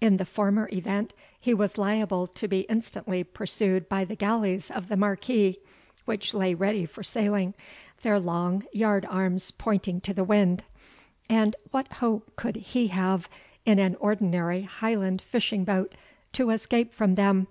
In the former event he was liable to be instantly pursued by the galleys of the Marquis, which lay ready for sailing, their long yard arms pointing to the wind, and what hope could he have in an ordinary Highland fishing boat to escape from them?